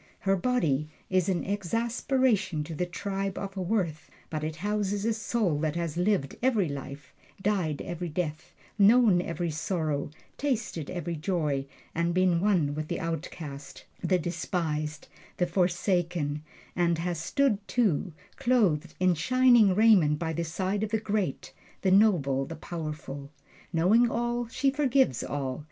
Her body is an exasperation to the tribe of Worth, but it houses a soul that has lived every life, died every death, known every sorrow, tasted every joy, and been one with the outcast, the despised, the forsaken; and has stood, too, clothed in shining raiment by the side of the great, the noble, the powerful. Knowing all, she forgives all.